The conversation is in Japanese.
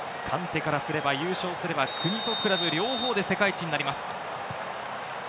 カンテからすれば、優勝すれば国とクラブ両方で世界一になります。